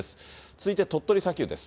続いて鳥取砂丘です。